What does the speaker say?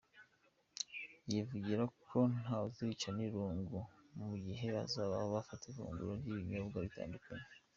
Yivugira ko ntawuzicwa n’irungu mu gihe bazaba bafata ifunguro n’ibinyobwa bitandukanye .